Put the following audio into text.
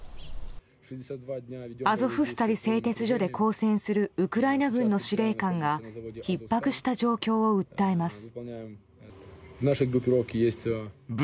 アゾフスタリ製鉄所で抗戦するウクライナ軍の司令官がひっ迫した状況を訴えます。